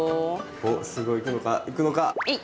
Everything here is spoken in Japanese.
おすごいいくのか⁉いくのか⁉えい！